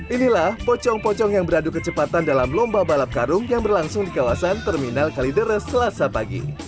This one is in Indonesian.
inilah pocong pocong yang beradu kecepatan dalam lomba balap karung yang berlangsung di kawasan terminal kalideres selasa pagi